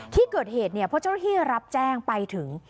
ที่เกิดเหตุเพราะเจ้าที่รับแจ้งไปถึง